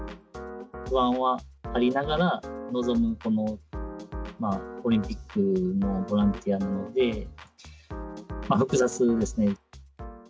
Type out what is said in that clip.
不安はありながら臨む、オリンピックのボランティアなので、複雑ですね。